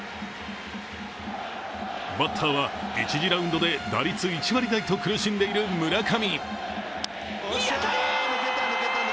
バッターは１次ラウンドで打率１割台と苦しんでいる村上。